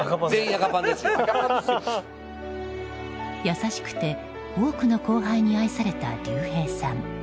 優しくて多くの後輩に愛された竜兵さん。